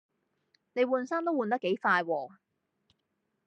你換衫都換得幾快喎